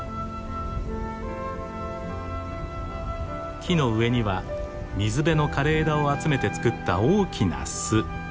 木の上には水辺の枯れ枝を集めて作った大きな巣。